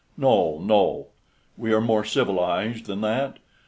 No, no, we are more civilized than that.